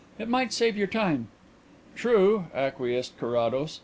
"It might save your time." "True," acquiesced Carrados.